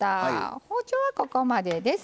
包丁は、ここまでです。